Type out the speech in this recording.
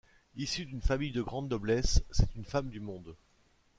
Issue d'une famille de grande noblesse, c'est une femme du monde.